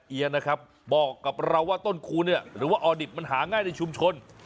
เอียนะครับบอกกับเราว่าต้นคูเนี่ยหรือว่าออดิบมันหาง่ายในชุมชน